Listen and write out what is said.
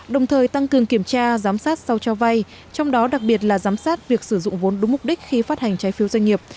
đồng thời tăng cường kiểm tra giám sát sau cho vay trong đó đặc biệt là giám sát việc sử dụng vốn đúng mục đích khi phát hành trái phiếu doanh nghiệp